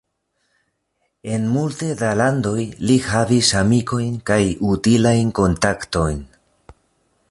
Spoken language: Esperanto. En multe da landoj li havis amikojn kaj utilajn kontaktojn.